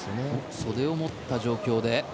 袖を持った状況で。